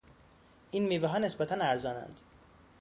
این میوهها نسبتا ارزانند.